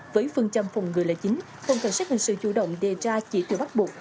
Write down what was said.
với phương châm phòng ngừa là chính phòng cảnh sát hình sự chủ động đề ra chỉ tiêu bắt buộc